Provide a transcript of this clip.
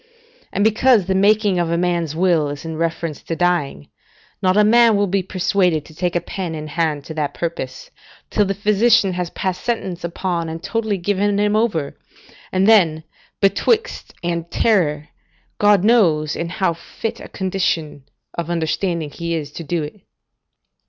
And because the making a man's will is in reference to dying, not a man will be persuaded to take a pen in hand to that purpose, till the physician has passed sentence upon and totally given him over, and then betwixt and terror, God knows in how fit a condition of understanding he is to do it.